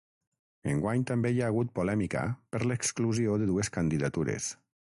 Enguany, també hi ha hagut polèmica per l’exclusió de dues candidatures.